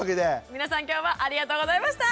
皆さん今日はありがとうございました。